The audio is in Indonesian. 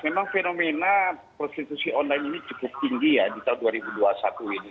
memang fenomena prostitusi online ini cukup tinggi ya di tahun dua ribu dua puluh satu ini